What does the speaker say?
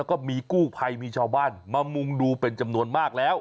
ก็มีกู้ไพรมีเชาบ้านมามุงดูเป็นจำนวนมากแล้ว